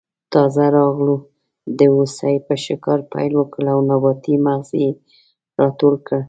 تازه راغلو د هوسۍ په ښکار پیل وکړ او نباتي مغز یې راټول کړل.